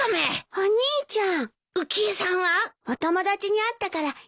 お兄ちゃん。